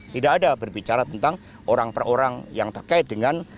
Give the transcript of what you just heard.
tidak ada berbicara tentang orang per orang yang terkait dengan